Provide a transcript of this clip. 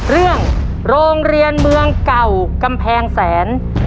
โรงเรียนเมืองเก่ากำแพงเสน